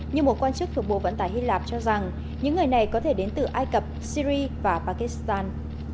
như một quan chức thuộc bộ vận tải hy lạp cho rằng những người này có thể đến từ ai cập syri và pakistan